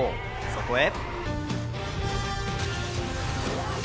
そこへ。